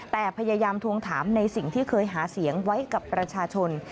แต่พยายามทวงถามในสิ่งที่เคยหาเสียงไว้กับประชาชน